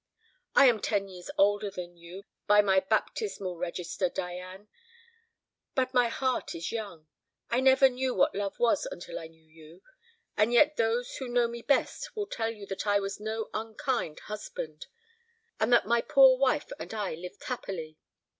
I am ten years older than you by my baptismal register, Diane; but my heart is young. I never knew what love was until I knew you. And yet those who know me best will tell you that I was no unkind husband, and that my poor wife and I lived happily.